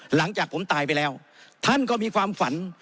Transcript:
หลังจากผมตายไปแล้วท่านก็มีความฝัน